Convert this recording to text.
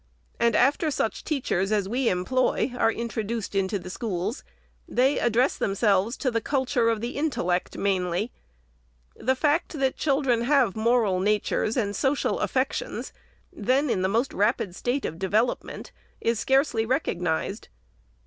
And after such teachers as we employ are introduced into the schools, they address themselves to the culture of Ihe intellect mainly. The fact that children have moral natures and social affections, then in the most 426 THE SECRETARY'S rapid state of development, is scarcely recognized.